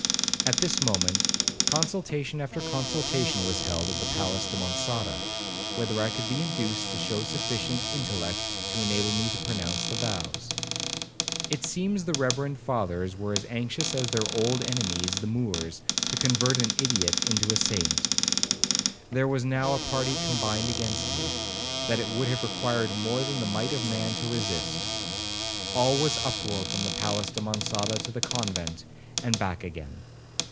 At this moment, consultation after consultation was held at the palace de Monçada, whether I could be induced to shew sufficient intellect to enable me to pronounce the vows. It seems the reverend fathers were as anxious as their old enemies the Moors, to convert an idiot into a saint. There was now a party combined against me, that it would have required more than the might of man to resist. All was uproar from the palace de Monçada to the convent, and back again.